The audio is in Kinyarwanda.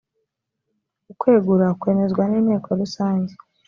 ukwegura kwemezwa n’inteko rusange